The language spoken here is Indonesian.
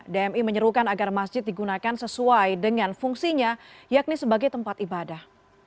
dmi menyerukan agar masjid digunakan sesuai dengan fungsinya yakni sebagai tempat ibadah